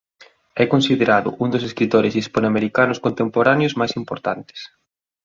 É considerado un dos escritores hispanoamericanos contemporáneos máis importantes.